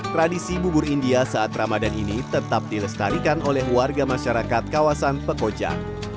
tradisi bubur india saat ramadan ini tetap dilestarikan oleh warga masyarakat kawasan pekojan